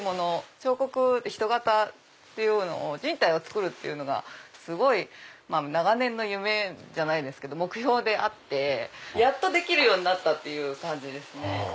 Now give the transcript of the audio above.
彫刻でヒト形っていうのを人体を作るっていうのが長年の夢じゃないですけど目標であってやっとできるようになったという感じですね。